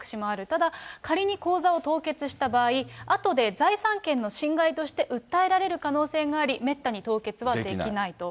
ただ、仮に口座を凍結した場合、あとで財産権の侵害として訴えられる可能性があり、めったに凍結はできないと。